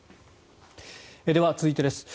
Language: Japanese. では、続いてです。